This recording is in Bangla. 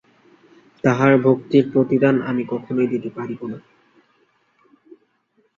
তাহার ভক্তির প্রতিদান আমি কখনই দিতে পারিব না।